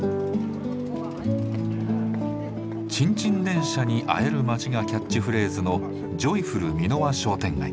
「チンチン電車に会える街」がキャッチフレーズのジョイフル三の輪商店街。